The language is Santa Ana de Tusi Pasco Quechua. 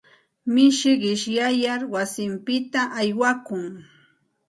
Mishi qishyayar wasinpita aywakun.